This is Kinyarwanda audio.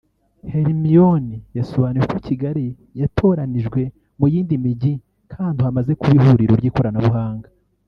Hermione yasobanuye ko Kigali yatoranijwe mu yindi mijyi nk’ahantu hamaze kuba ihuriro ry’ikoranabuhanga